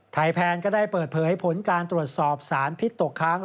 แพนก็ได้เปิดเผยผลการตรวจสอบสารพิษตกค้าง